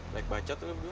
black baca tuh lo berdua